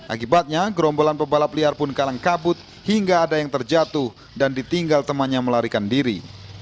akibatnya gerombolan pebalap liar pun kalang kabut hingga ada yang terjatuh dan ditinggal temannya melarikan diri